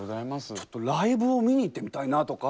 ちょっとライブを見に行ってみたいなとか。